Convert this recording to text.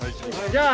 じゃあ。